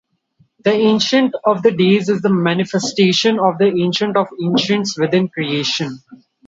The Ancient of Days is the manifestation of the Ancient of Ancients within Creation.